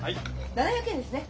７００円ですね。